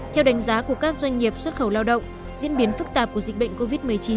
theo đánh giá của các doanh nghiệp xuất khẩu lao động diễn biến phức tạp của dịch bệnh covid một mươi chín